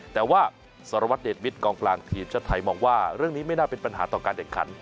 แต่ว่าสารวัตรเดชมิตรกองกลางทีมชาติไทยมองว่าเรื่องนี้ไม่น่าเป็นปัญหาต่อการแข่งขัน